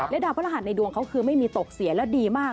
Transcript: ดาวพระรหัสในดวงเขาคือไม่มีตกเสียและดีมาก